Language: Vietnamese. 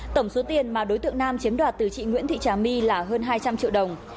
tổng số tiền mà đối tượng nam chiếm đoạt từ chị nguyễn thị trà my là hơn hai trăm linh triệu đồng